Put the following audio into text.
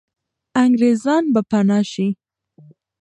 انګریزان به پنا سي.